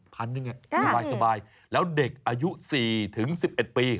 พันหนึ่งสบายแล้วเด็กอายุ๔๑๑ปี